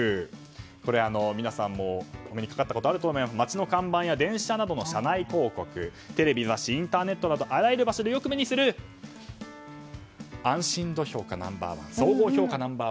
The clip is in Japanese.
これは皆さんもお目にかかったことあると思いますが街の看板や電車などの車内広告テレビや雑誌インターネットなどあらゆる場所で目にする安心度評価ナンバー１総合評価ナンバー１